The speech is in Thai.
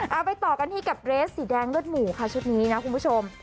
เอาไปต่อกันที่กับเรสสีแดงเลือดหมูค่ะชุดนี้นะคุณผู้ชม